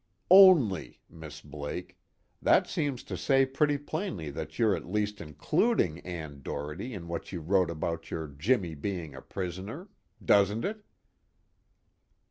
Only, Miss Blake that seems to say pretty plainly that you're at least including Ann Doherty in what you wrote about your Jimmy being a prisoner. Doesn't it?"